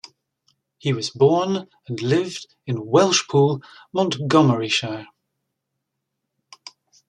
He was born and lived in Welshpool, Montgomeryshire.